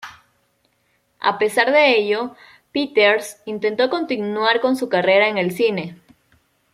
A pesar de ello, Peters intentó continuar con su carrera en el cine.